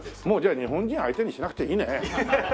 もうじゃあ日本人相手にしなくていいね。